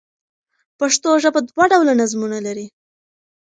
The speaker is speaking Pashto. پښتو ژبه دوه ډوله نظمونه لري.